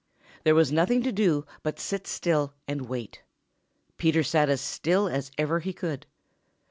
There was nothing to do but to sit still and wait. Peter sat as still as ever he could.